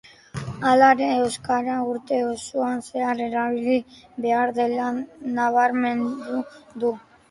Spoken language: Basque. Halere, euskara urte osoan zehar erabili behar dela nabarmendu du.